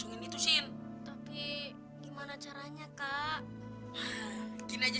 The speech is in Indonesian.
gimana caranya kak gini aja